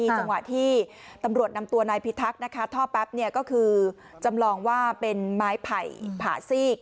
จังหวะที่ตำรวจนำตัวนายพิทักษ์นะคะท่อแป๊บก็คือจำลองว่าเป็นไม้ไผ่ผ่าซีก